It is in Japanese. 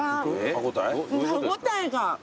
歯応えが。